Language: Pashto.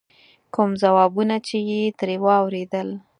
کوم ځوابونه چې یې ترې واورېدل.